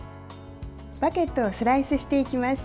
バゲットをスライスしていきます。